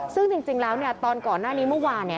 ซึ่งจริงแล้วเนี่ยตอนก่อนหน้านี้เมื่อวานเนี่ย